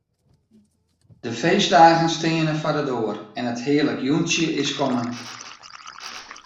De feestdagen steane foar de doar en it hearlik jûntsje is kommen.